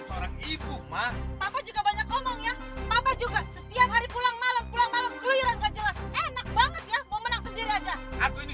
sekarang berlangsung kerja dia rekan dia